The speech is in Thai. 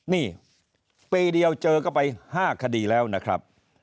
นี่ปีเดียวเจอเข้าไป๕คดีแล้วนะครับ